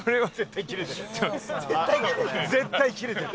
絶対キレてる。